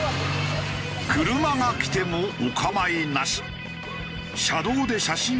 車が来てもお構いなし。